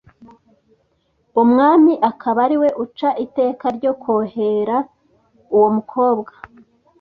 umwami akaba ariwe uca iteka ryo kohera uwo mukobwa